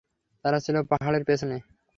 তারা ছিল পাহাড়ের পেছনে।